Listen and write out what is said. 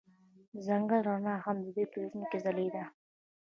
د ځنګل رڼا هم د دوی په زړونو کې ځلېده.